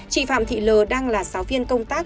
chị phạm thị l đang là giáo viên công tác